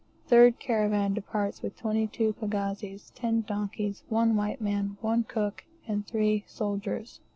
Third caravan departs with twenty two pagazis, ten donkeys, one white man, one cook, and three soldiers.